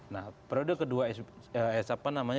nah periode kedua